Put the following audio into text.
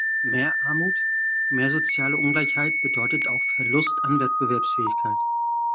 Mehr Armut, mehr soziale Ungleichheit bedeutet auch Verlust an Wettbewerbsfähigkeit.